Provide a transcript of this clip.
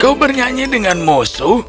kami bernyanyi dengan musuh